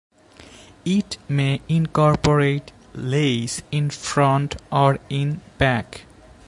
It may incorporate lace in front or in back.